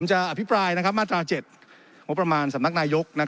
ผมจะอธิบายมาตรา๗งบประมาณสำนักนายก